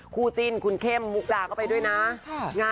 คู่จิ้นคุณเข้มมุกดาก็ไปด้วยนะ